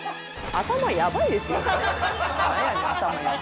「頭やばいですよ」。